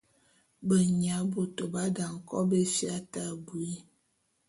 Benya bôto b’adane kòbo éfia te abui.